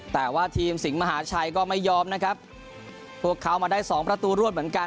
แต่ว่าทีมสิงหมหาชัยก็ไม่ยอมนะครับพวกเขามาได้สองประตูรวดเหมือนกัน